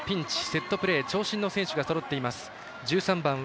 セットプレー長身の選手がそろっています。